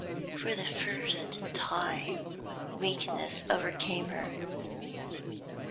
For the first time, weakness overcame her.